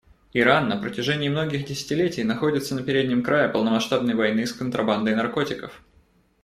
Иран на протяжении многих десятилетий находится на переднем крае полномасштабной войны с контрабандой наркотиков.